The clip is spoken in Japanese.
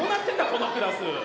このクラス。